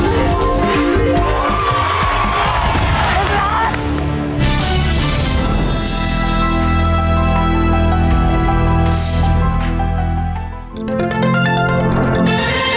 ขอบคุณครับ